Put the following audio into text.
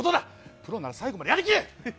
プロなら最後までやり切れ。